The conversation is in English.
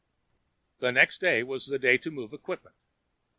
The next day was the day to move equipment.